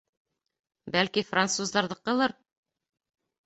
— Бәлки, француздарҙыҡылыр.